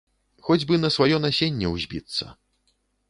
Хоць бы на сваё насенне ўзбіцца.